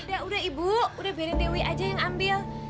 udah udah ibu udah beritih wi aja yang ambil